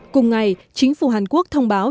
cùng ngày chính phủ hàn quốc thông báo